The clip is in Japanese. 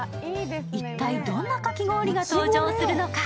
一体どんなかき氷が登場するのか。